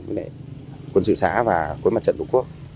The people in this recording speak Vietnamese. với lực lượng quân sự xã và khối mặt trận của quốc